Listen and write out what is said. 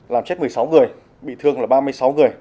làm chết một mươi sáu người bị thương là ba mươi sáu người